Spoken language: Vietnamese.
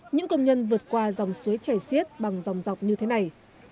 những công nhân vượt qua dòng suối chảy xiết bằng dòng dọc như thế này